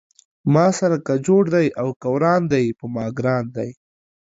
ما سره که جوړ دی او که وران دی پۀ ما ګران دی